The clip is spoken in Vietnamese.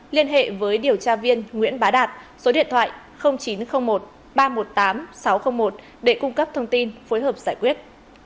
liên hệ với điều tra viên nguyễn bá đạt số điện thoại chín trăm linh một ba trăm một mươi tám sáu trăm linh một để cung cấp thông tin phối hợp giải quyết